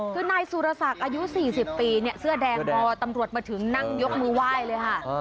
คือนายสุรศักดิ์อายุ๔๐ปีเสื้อแดงพอตำรวจมาถึงนั่งยกมือไหว้เลยค่ะ